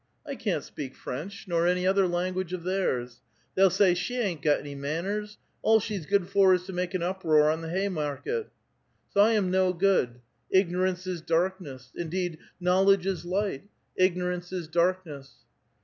I can't 6i)eak French, nor any other language of theirs. They'll say, ' She hain't got any manners ; all she's good for is to make an uproar on the hay market !* So I am no good !' Ignorance is darkness.' Indeed ' knowledge is light ; igno rance is darkness.'